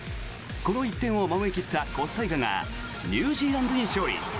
この１点を守り切ったコスタリカがニュージーランドに勝利。